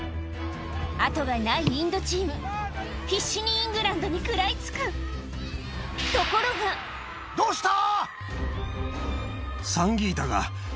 後がないインドチーム必死にイングランドに食らいつくどうした？